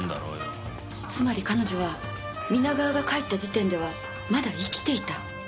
つまり彼女は皆川が帰った時点ではまだ生きていた？